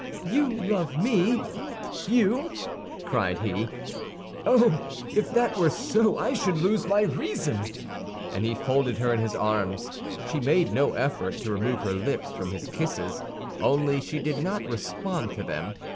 "You love me, you!" cried he. "Oh, if that were so, I should lose my reason!" And he folded her in his arms. She made no effort to remove her lips from his kisses; only she did not respond to them.